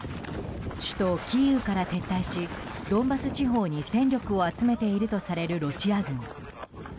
首都キーウから撤退しドンバス地方に戦力を集めているとされるロシア軍。